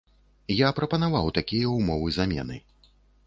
Я прапанаваў такія ўмовы замены.